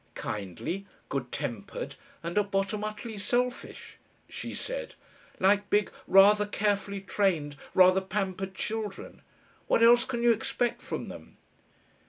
"Kindly, good tempered, and at bottom utterly selfish," she said, "like big, rather carefully trained, rather pampered children. What else can you expect from them?"